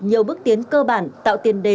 nhiều bước tiến cơ bản tạo tiền đề